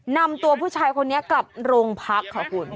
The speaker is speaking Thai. นำตัวผู้ชายคนนี้กลับโรงพักค่ะคุณ